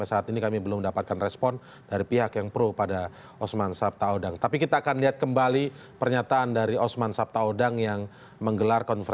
saya mendengarnya di pasangan terunding fagembur